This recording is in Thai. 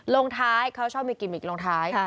ลงท้ายเขาชอบมีกิมมิกลงท้าย